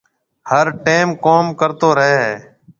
هر ٽيم ڪوم ڪرتو رهي هيَ۔